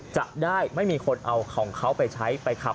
จะได้ไม่มีคนเอาของเขาไปใช้ไปขับ